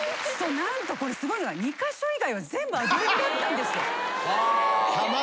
何とこれすごいのが２カ所以外は全部アドリブだったんですよ。